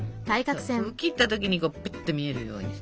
そうそこ切った時にプッと見えるように。